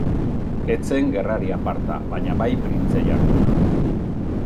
Ez zen gerrari aparta baina bai printze jarduna.